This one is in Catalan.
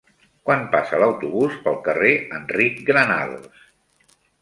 Quan passa l'autobús pel carrer Enric Granados?